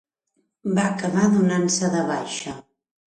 Va acabar donant-se de baixa.